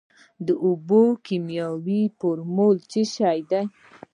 د اوبو کیمیاوي فارمول څه شی دی.